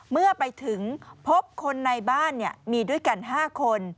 เมื่อไปถึงพบคนในบ้านมีด้วยกัน๕คน